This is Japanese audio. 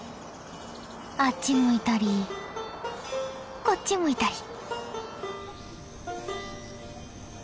あっち向いたりこっち向いたり。